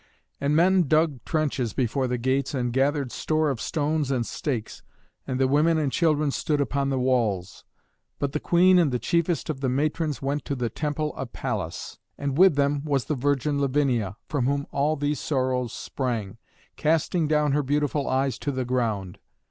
And men dug trenches before the gates, and gathered store of stones and stakes; and the women and children stood upon the walls. But the queen and the chiefest of the matrons went to the temple of Pallas, and with them was the virgin Lavinia, from whom all these sorrows sprang, casting down her beautiful eyes to the ground.